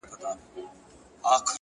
هوډ د ستړیا غږ کمزوری کوي!.